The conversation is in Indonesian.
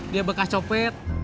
dia bekas nyopet